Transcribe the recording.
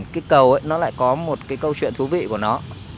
cái cầu nó lại có một câu chuyện thú vị của nó